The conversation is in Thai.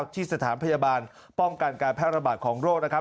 ที่สถานพยาบาลป้องกันการแพร่ระบาดของโรคนะครับ